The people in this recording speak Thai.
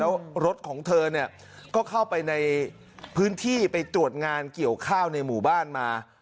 แล้วรถของเธอเนี่ยก็เข้าไปในพื้นที่ไปตรวจงานเกี่ยวข้าวในหมู่บ้านมา